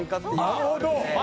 なるほど！